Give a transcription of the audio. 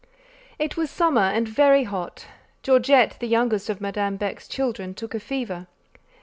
It was summer and very hot. Georgette, the youngest of Madame Beck's children, took a fever.